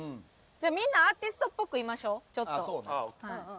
みんなアーティストっぽくいましょうちょっと。